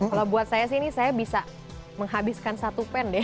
kalau buat saya sih ini saya bisa menghabiskan satu pen deh